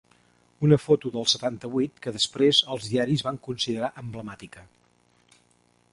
Una foto del setanta-vuit que després els diaris van considerar emblemàtica.